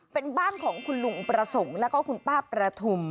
เป็นบ้านของคุณลุงประสงค์แล้วก็คุณป้าประทุม